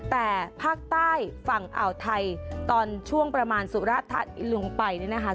แต่ภาคใต้ฝั่งอ่าวไทยตอนช่วงประมาณสุรทัศน์ลงไปเนี่ยนะคะ